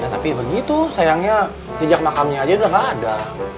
tapi begitu sayangnya jejak makamnya aja udah gak ada